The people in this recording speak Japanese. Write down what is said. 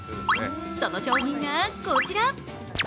その商品がこちら。